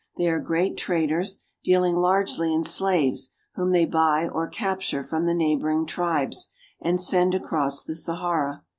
They are great traders, dealing largely in slaves, whom they buy or cap ture from the neighboring tribes and send across the Sahara.